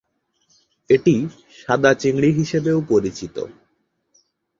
এটি সাদা চিংড়ি হিসেবেও পরিচিত।